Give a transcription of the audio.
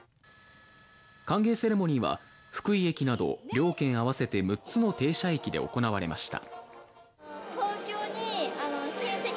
歓迎セレモニーは福井駅など、両県合わせて６つの停車駅で行われました。